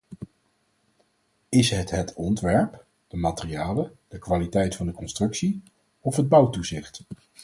Is het het ontwerp, de materialen, de kwaliteit van de constructie of het bouwtoezicht?